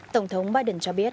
tổng thống biden cho biết